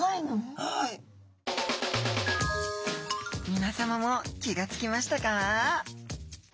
みなさまも気が付きましたか？